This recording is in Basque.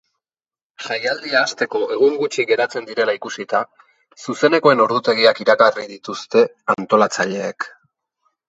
Jaialdia hasteko egun gutxi geratzen direla ikusita, zuzenekoen ordutegiak iragarri dituzte antolatzaileek.